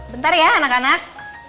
bentar ya anak anak